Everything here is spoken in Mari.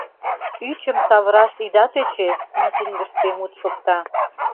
Ӱчым савыраш ида тӧчӧ», — митингыште мут шокта.